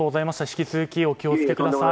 引き続きお気を付けください。